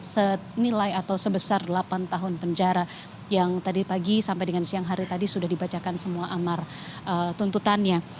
senilai atau sebesar delapan tahun penjara yang tadi pagi sampai dengan siang hari tadi sudah dibacakan semua amar tuntutannya